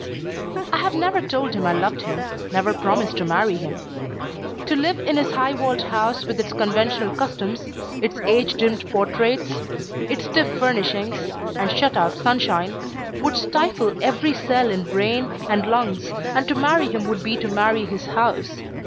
I have never told him I loved him, never promised to marry him. To live in his high walled house with its conventional customs, its age dimmed portraits, its stiff furnishings, and shut out sunshine, would stifle every cell in brain and lungs, and to marry him would be to marry his house.